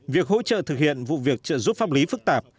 việc hỗ trợ thực hiện vụ việc trợ giúp pháp lý phức tạp